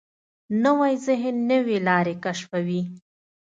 نوی ذهن نوې لارې کشفوي